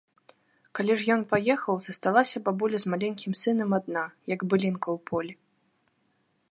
Калі ж ён паехаў, засталася бабуля з маленькім сынам адна, як былінка ў полі.